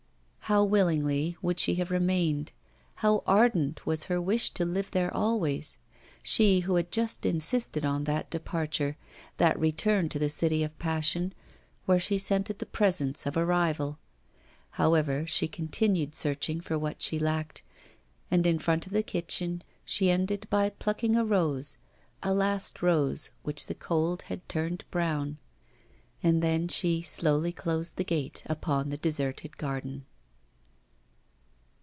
How willingly would she have remained! how ardent was her wish to live there always she who had just insisted on that departure, that return to the city of passion where she scented the presence of a rival. However, she continued searching for what she lacked, and in front of the kitchen she ended by plucking a rose, a last rose, which the cold was turning brown. And then she slowly closed the gate upon the deserted garden.